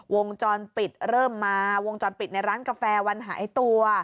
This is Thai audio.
วงจรปิดเริ่มมาวงจรปิดในร้านกาแฟวันหายตัว